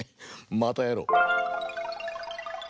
またやろう！